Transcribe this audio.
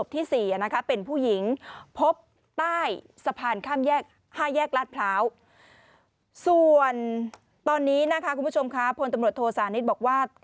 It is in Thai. ทีนี้นะคะคุณผู้ชมครับผลตรวจโทสานิดบอกว่า